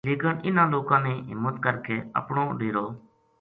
لیکن اِنہاں لوکاں نے ہمت کر کہ اپنو ڈیرو